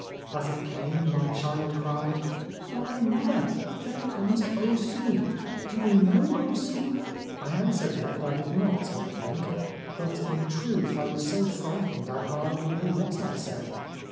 As it came my child cried :" Why, mother, there comes O Sumi — do you know O Sumi ?" I answered her that I did not, I think ; but in truth I was so frightened I hardly know what I said.